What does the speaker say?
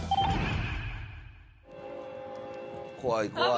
怖い、怖い。